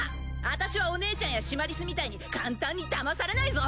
あたしはお姉ちゃんやシマリスみたいに簡単にだまされないぞ。